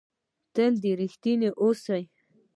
تل رښتنی اوسهٔ.